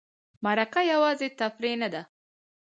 مرکه یوازې تفریح نه ده.